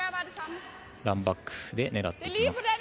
ランバックで狙っていきます。